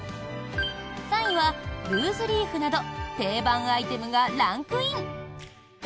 ３位はルーズリーフなど定番アイテムがランクイン。